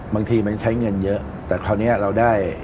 บางทีมันใช้เงินเยอะแต่คราวนี้เราได้